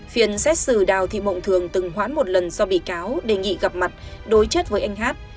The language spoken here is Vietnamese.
phiên xét xử đào thị mộng thường từng hoãn một lần do bị cáo đề nghị gặp mặt đối chất với anh hát